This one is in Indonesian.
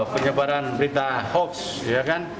penyebaran berita hoax